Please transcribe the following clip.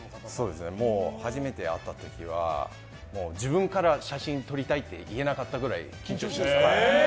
初めて会った時は自分から写真撮りたいって言えなかったくらい緊張して。